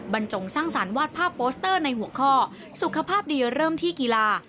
บรรจงสร้างสรรค์วาดภาพโปสเตอร์ในหัวข้อสุขภาพดีเริ่มที่กีฬา